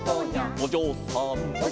「おじょうさん」